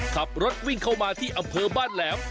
ขับรถวิ่งเข้ามาที่อำเภอบ้านแหลม